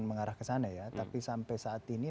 mengarah kesana ya tapi sampai saat ini